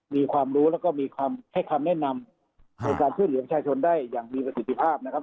มีความรู้แล้วก็มีความให้คำแนะนำในการช่วยเหลือประชาชนได้อย่างมีประสิทธิภาพนะครับ